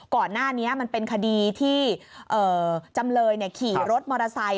ก่อนหน้านี้มันเป็นคดีที่จำเลยขี่รถมอเตอร์ไซค